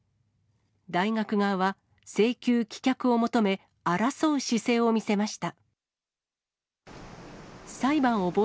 大学側は請求棄却を求め、争う姿勢を見せました。